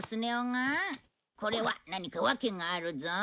これは何か訳があるぞ。